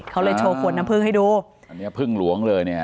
เขาเลยโชว์ขวดน้ำพึ่งให้ดูอันนี้พึ่งหลวงเลยเนี่ย